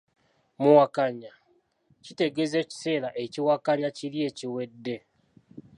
Muwakanya; kitegeeza ekiseera ekiwakanya kiri ekiwedde.